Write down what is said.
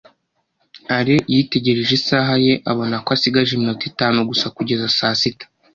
Alain yitegereje isaha ye abona ko asigaje iminota itanu gusa kugeza saa sita.